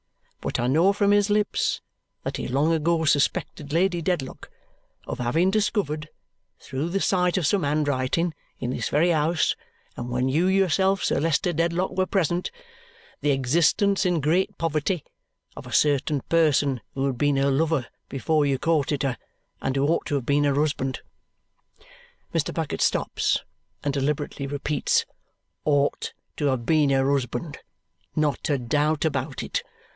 But I know from his lips that he long ago suspected Lady Dedlock of having discovered, through the sight of some handwriting in this very house, and when you yourself, Sir Leicester Dedlock, were present the existence, in great poverty, of a certain person who had been her lover before you courted her and who ought to have been her husband." Mr. Bucket stops and deliberately repeats, "Ought to have been her husband, not a doubt about it.